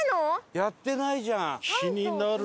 やってないじゃん。